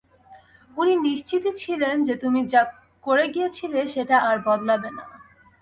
উনি নিশ্চিতই ছিলেন যে তুমি যা করে গিয়েছিলে সেটা আর বদলাবে না।